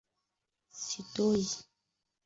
sauti yake giom soro waziri mkuu wa cote dvoire